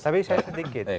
tapi saya sedikit